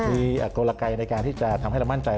มีกลไกในการที่จะทำให้เรามั่นใจ